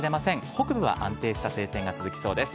北部は安定した晴天が続きそうです。